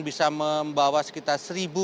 bisa membawa sekitar satu tiga ratus